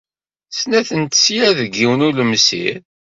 Snat n tesyar deg yiwen n ulemsir